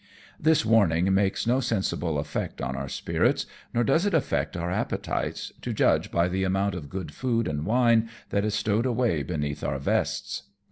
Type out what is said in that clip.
This warning makes no sensible effect on our spirits, nor does it affect our appetites, to judge by the amount of good food and wine that is stowed away beneath our vests.